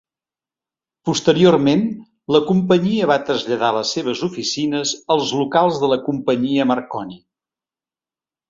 Posteriorment, la companyia va traslladar les seves oficines als locals de la companyia Marconi.